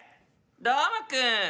「どーもくん！」。